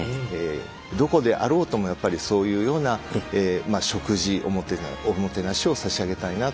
どこであろうともやっぱりそういうような食事おもてなしをさしあげたいなというふうに思ってます。